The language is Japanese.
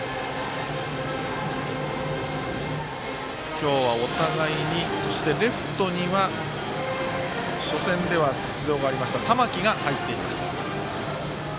今日はお互いにレフトには初戦では出場がありました玉置が入っています。